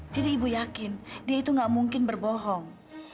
jadi ibu yakin dia itu nggak mungkin berbohong